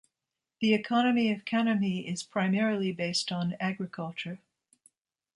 The economy of Kannami is primarily based on agriculture.